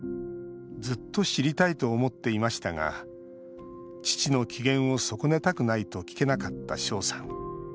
ずっと知りたいと思っていましたが父の機嫌を損ねたくないと聞けなかった翔さん。